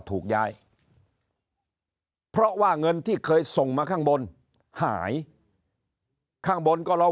ถูกย้ายเพราะว่าเงินที่เคยส่งมาข้างบนหายข้างบนก็ร้อง